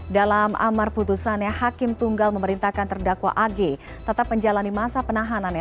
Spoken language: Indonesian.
dalam amar putusannya hakim tunggal memerintahkan terdakwa ag tetap menjalani masa penahanannya